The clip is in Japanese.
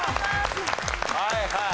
はいはい。